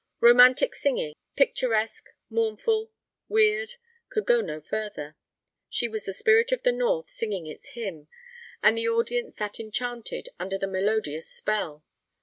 Romantic singing, picturesque, mournful, weird, could go no further. She was the spirit of the North singing its hymn, and the audience sat enchanted under the melodious spell.